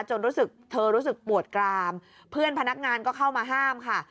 รู้สึกเธอรู้สึกปวดกรามเพื่อนพนักงานก็เข้ามาห้ามค่ะ